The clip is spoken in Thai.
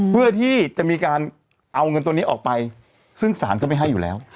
เพื่อที่จะมีการเอาเงินตัวนี้ออกไปซึ่งศาลก็ไม่ให้อยู่แล้ว